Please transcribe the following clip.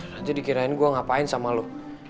nanti dikirain gua ngapain sama lu